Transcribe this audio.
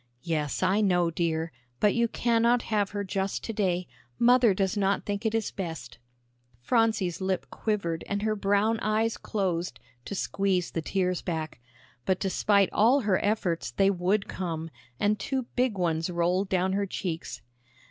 "Yes, I know, dear. But you cannot have her just to day. Mother does not think it is best." Phronsie's lip quivered and her brown eyes closed to squeeze the tears back. But despite all her efforts they would come, and two big ones rolled down her cheeks.